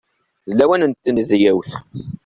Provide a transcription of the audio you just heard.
D lawan n tnedyawt.